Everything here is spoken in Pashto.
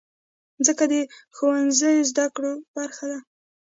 مځکه د ښوونځي زدهکړو برخه ده.